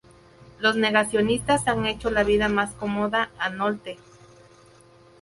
Los negacionistas han hecho la vida más cómoda a Nolte.